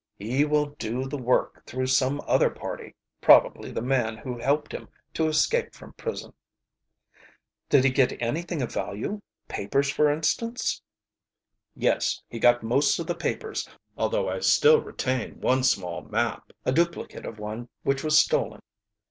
"He will do the work through some other party probably the man who helped him to escape from prison." "Did he get anything of value papers, for instance?" "Yes, he got most of the papers, although I still retain one small map, a duplicate of one which was stolen.